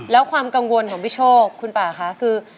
แล้วความกังวลของพี่โชคคุณป่าคะคือ